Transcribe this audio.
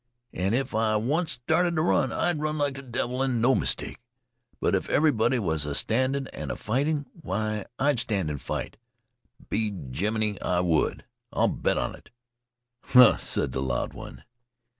And if I once started to run, I'd run like the devil, and no mistake. But if everybody was a standing and a fighting, why, I'd stand and fight. Be jiminey, I would. I'll bet on it." "Huh!" said the loud one.